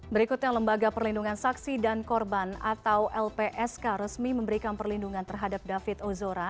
berikutnya lembaga perlindungan saksi dan korban atau lpsk resmi memberikan perlindungan terhadap david ozora